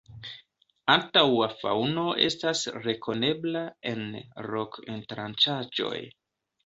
Antaŭa faŭno estas rekonebla en rok-entranĉaĵoj.